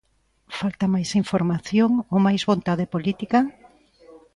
Falta máis información ou máis vontade política?